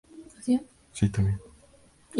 Es la sexta ciudad más grande de Alberta.